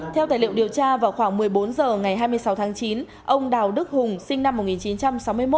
theo tài liệu điều tra vào khoảng một mươi bốn h ngày hai mươi sáu tháng chín ông đào đức hùng sinh năm một nghìn chín trăm sáu mươi một